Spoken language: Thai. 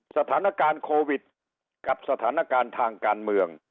สถานการณ์โควิดกับสถานการณ์ทางการเมือง